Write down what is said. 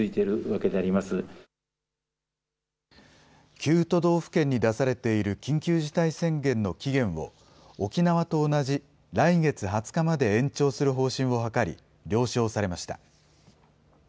９都道府県に出されている緊急事態宣言の期限を、沖縄と同じ来月２０日まで延長する方針を諮り、了承されました。